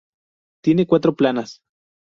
Tiene cuatro plantas.